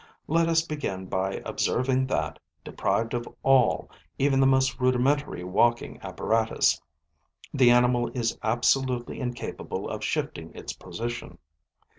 Let us begin by observing that, deprived of all, even the most rudimentary walking apparatus, the animal is absolutely incapable of shifting its position.